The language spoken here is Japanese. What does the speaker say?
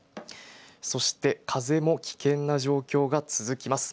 そして風も危険な状況が続きます。